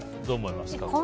どう思いますか？